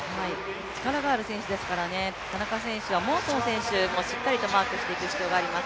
力がある選手ですから、田中選手はモンソン選手もしっかりとマークしていく必要があります。